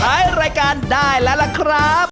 หายรายการได้ละครับ